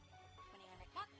mendingan naik motor